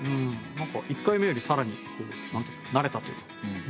１回目よりさらに慣れたというか。